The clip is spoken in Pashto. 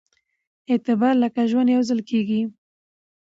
اعتبار لکه ژوند يوځل کېږي